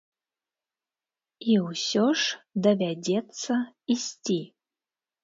І усё ж давядзецца ісці.